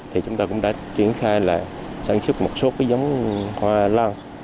thì chúng ta cũng đã triển khai lại sản xuất một số giống hoa lăng